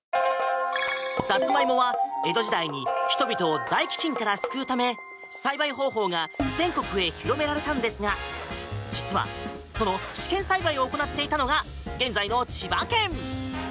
サツマイモは江戸時代に人々を大飢きんを救うため全国へと栽培方法が広がったのですが実はその試験栽培を行っていたのが現在の千葉県。